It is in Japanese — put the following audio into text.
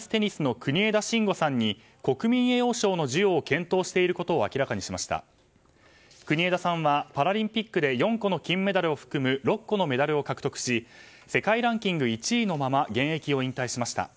国枝さんはパラリンピックで４個の金メダルを含む６個のメダルを獲得し世界ランキング１位のまま現役を引退しました。